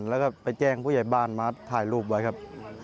แล้วก็ไปแจ้งผู้ใหญ่บ้านมาถ่ายรูปไว้ครับ